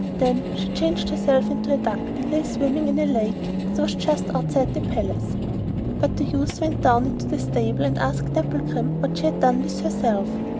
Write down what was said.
Then she changed herself into a duck, and lay swimming in a lake that was just outside the palace. But the youth went down into the stable and asked Dapplegrim what she had done with herself.